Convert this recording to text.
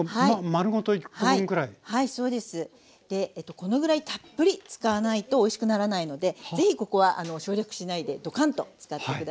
このぐらいたっぷり使わないとおいしくならないので是非ここは省略しないでドカンと使って下さい。